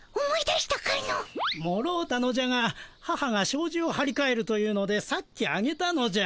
もろうたのじゃが母がしょうじをはりかえるというのでさっきあげたのじゃ。